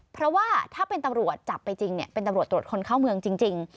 เพราะว่าถ้าเป็นตำรวจจับไปจริงเป็นตำรวจตรวจคนเข้าเมืองจริง